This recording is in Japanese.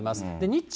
日中